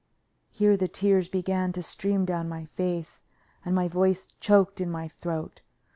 Here the tears began to stream down my face and my voice choked in my throat.